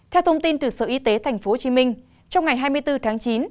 theo thông tin từ sở y tế tp hcm trong ngày hai mươi bốn tháng chín